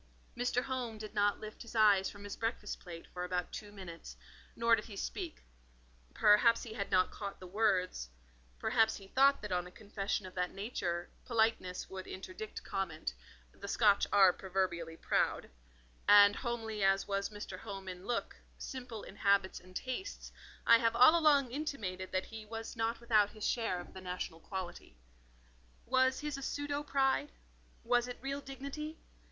Mr. Home did not lift his eyes from his breakfast plate for about two minutes, nor did he speak; perhaps he had not caught the words—perhaps he thought that on a confession of that nature, politeness would interdict comment: the Scotch are proverbially proud; and homely as was Mr. Home in look, simple in habits and tastes, I have all along intimated that he was not without his share of the national quality. Was his a pseudo pride? was it real dignity?